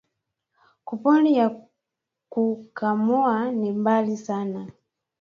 Ku pori ya ku kamoa ni mbari sana